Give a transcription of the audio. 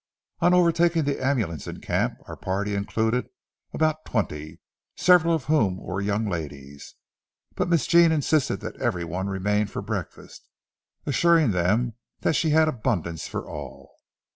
On overtaking the ambulance in camp, our party included about twenty, several of whom were young ladies; but Miss Jean insisted that every one remain for breakfast, assuring them that she had abundance for all.